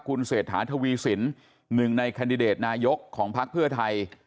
คุณเศษฐาทวีศิลป์หนึ่งในคันดิเดตนายกของภักดิ์เพื่อไทย